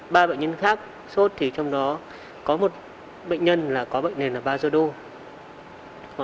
ba bệnh nhân khác sốt thì trong đó có một bệnh nhân là có bệnh nền là basodo